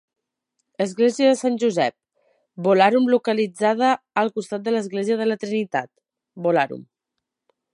Església de Sant Josep, Bolarum localitzada al costat de l'Església de la Trinitat, Bolarum.